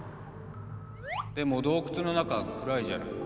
でも洞窟の中は暗いじゃないか。